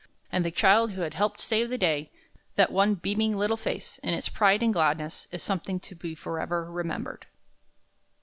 And the child who had helped save the day, that one beaming little face, in its pride and gladness, is something to be forever remembered.